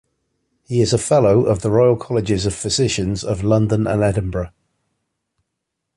He is a Fellow of the Royal Colleges of Physicians of London and Edinburgh.